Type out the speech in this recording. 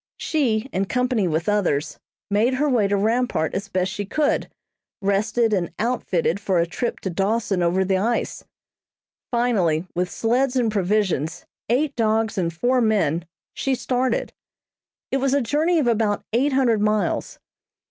She, in company with others, made her way to Rampart as best she could, rested and "outfitted" for a trip to Dawson over the ice. Finally, with sleds and provisions, eight dogs and four men, she started. It was a journey of about eight hundred miles.